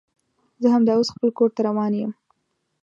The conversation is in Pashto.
زه همدا اوس خپل کور ته روان یم